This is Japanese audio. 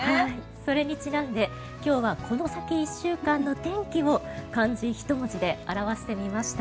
それにちなんで今日はこの先１週間の天気を漢字１文字で表してみました。